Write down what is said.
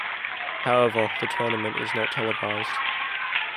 However, the tournament is not televised.